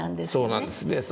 そうなんですね。